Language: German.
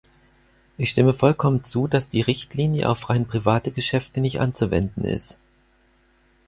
Ich stimme vollkommen zu, dass die Richtlinie auf rein private Geschäfte nicht anzuwenden ist.